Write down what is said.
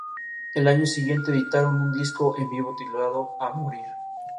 Al año siguiente editaron un disco en vivo titulado "A morir!!!".